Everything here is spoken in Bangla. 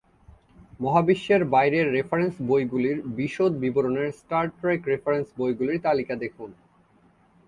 মহাবিশ্বের বাইরের রেফারেন্স বইগুলির বিশদ বিবরণের স্টার ট্রেক রেফারেন্স বইগুলির তালিকা দেখুন।